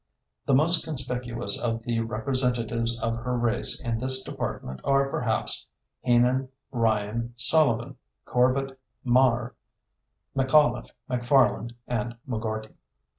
The most conspicuous of the representatives of her race in this department are perhaps Heenan, Ryan, Sullivan, Corbett, Maher, McAuliffe, McFarland, and McGoorty.